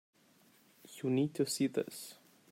You need to see this.